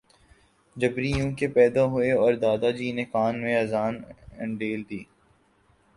جبری یوں کہ ، پیدا ہوئے اور دادا جی نے کان میں اذان انڈیل دی